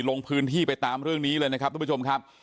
ลงพื้นที่ไปตามเรื่องนี้เลยนะครับทุกผู้ชมครับ